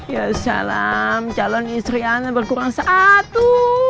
ya salam calon istri ana berkurang satu